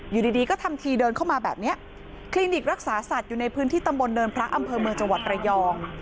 อยู่ดีก็ทำทีเดินเข้ามาแบบนี้คลินิกรักษาสัตว์อยู่ในพื้นที่ตำบลเนินพระอำเภอเมืองจังหวัดระยอง